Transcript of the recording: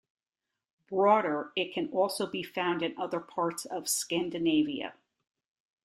Broader, it can also be found in other parts of Scandinavia.